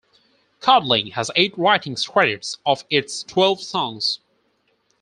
Codling has eight writing credits of its twelve songs.